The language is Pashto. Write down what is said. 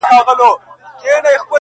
o د غله ځاى په غره کي نسته.